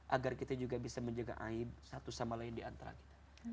agar kita juga bisa menjaga aib satu sama lain di antara kita